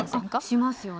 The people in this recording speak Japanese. しますよね。